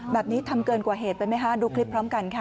แบบนี้ทำเกินกว่าเหตุไปไหมคะดูคลิปพร้อมกันค่ะ